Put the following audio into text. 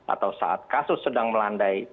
atau saat kasus sedang melandai